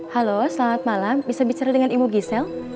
halo selamat malam bisa bicara dengan ibu giselle